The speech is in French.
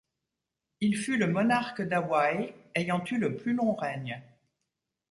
Il fut le monarque d'Hawaï ayant eu le plus long règne.